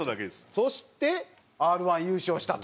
そしてＲ−１優勝したと。